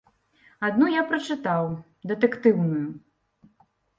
Адну я прачытаў, дэтэктыўную.